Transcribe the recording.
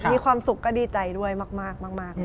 มีความสุขก็ดีใจด้วยมาก